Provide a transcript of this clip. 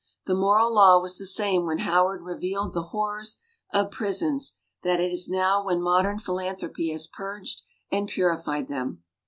The moral law was the same when Howard revealed the horrors of prisons that it is now when modern philanthropy has purged and purified them.